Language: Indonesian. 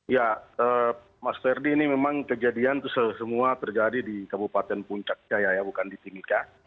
ya mas ferdi ini memang kejadian itu semua terjadi di kabupaten puncak jaya ya bukan di timika